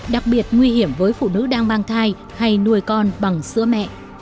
đặc biệt nguy hiểm với phụ nữ đang mang thai hay nuôi con bằng sữa mẹ